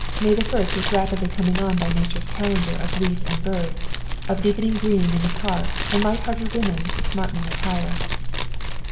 May the first was rapidly coming on by Nature's calendar of leaf and bird, of deepening green in the park and light hearted woman's smartening attire.